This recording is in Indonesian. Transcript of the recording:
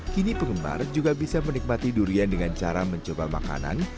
kini penggemar juga bisa menikmati durian dengan cara mencoba makanan